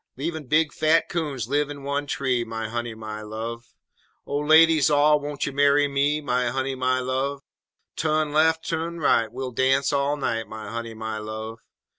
'Lev'n big, fat coons liv' in one tree, My honey, my love! Oh, ladies all, won't you marry me? My honey, my love! Tu'n lef, tu'n right, we'll dance all night, My honey, my love!